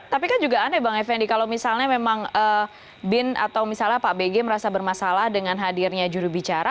tapi kan juga aneh bang effendi kalau misalnya memang bin atau misalnya pak bg merasa bermasalah dengan hadirnya jurubicara